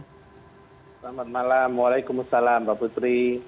selamat malam waalaikumsalam mbak putri